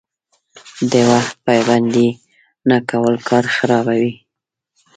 د وخت پابندي نه کول کار خرابوي.